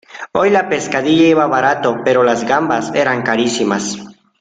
Hoy la pescadilla iba barato, pero las gambas eran carísimas.